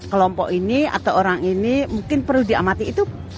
kelompok ini atau orang ini mungkin perlu diamati itu